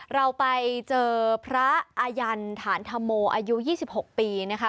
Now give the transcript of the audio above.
เราไปเจอพระอายันฐานธรโมอายุ๒๖ปีนะคะ